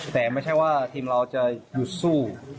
แต่ไม่ใช่ว่าทีมเราจะหยุดสู้